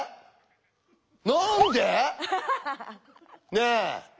ねえ。